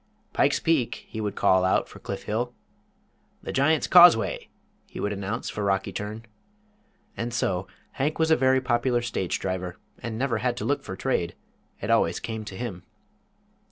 "Pike's Peak," he would call out for Cliff Hill. "The Giant's Causeway," he would announce for Rocky Turn. And so Hank was a very popular stage driver, and never had to look for trade it always came to him.